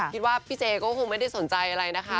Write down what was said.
คิดว่าพี่เจ๊ก็คงไม่ได้สนใจอะไรนะคะ